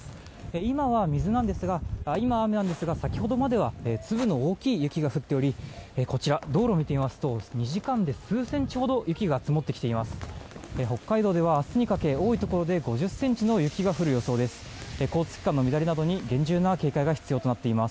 今は雨なんですが先ほどまでは粒の大きい雪が降っていて道路を見てみますと２時間で数センチほど雪が積もってきています。